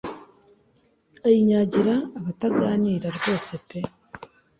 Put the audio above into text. ayinyagira abataganira rwose pe